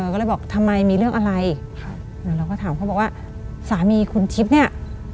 ก็เลยบอกทำไมมีเรื่องอะไรเราก็ถามเขาบอกว่าสามีคุณทิพย์เนี่ย